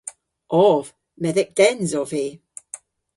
Ov. Medhek dens ov vy.